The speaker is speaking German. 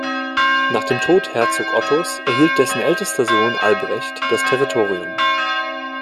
Nach dem Tod Herzog Ottos erhielt dessen ältester Sohn Albrecht das Territorium.